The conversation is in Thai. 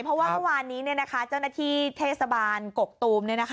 เพราะว่าเมื่อวานนี้เจ้าหน้าที่เทศบาลกกตูม